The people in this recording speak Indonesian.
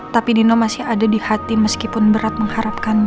tapi dino masih ada di hati meskipun berat mengharapkan